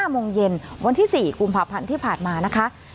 โมงเย็นวันที่๔กุมภาพันธ์ที่ผ่านมานะคะ